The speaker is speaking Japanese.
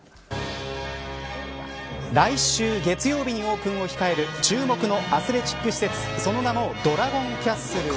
来週月曜日にオープンを控える注目のアスレチック施設その名もドラゴンキャッスル。